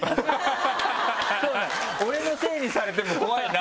そうだ俺のせいにされても怖いな。